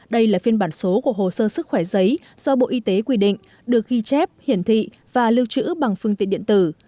đây là phiên bản số của hồ sơ sức khỏe giấy do bộ y tế quy định được ghi chép hiển thị và lưu trữ bằng phương tiện điện tử